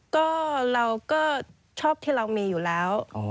ก็เราก็ชอบที่เรามีอยู่แล้ว